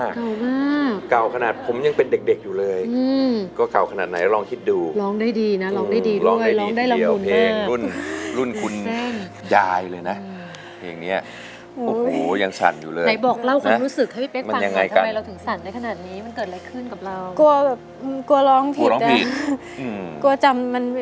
กินพร้อมร่างฉันไว้ให้จม